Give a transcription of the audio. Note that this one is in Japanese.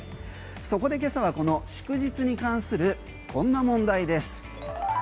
そこで今朝は祝日に関するこんな問題です。